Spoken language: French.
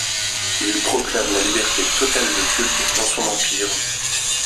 Il proclame la liberté totale de culte dans son empire.